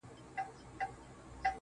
پر تندي يې شنه خالونه زما بدن خوري.